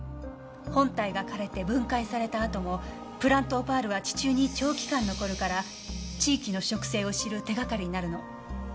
本体が枯れて分解されたあともプラントオパールは地中に長期間残るから地域の植生を知る手掛かりになるの。